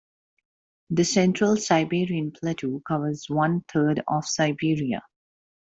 The Central Siberian Plateau covers one-third of Siberia.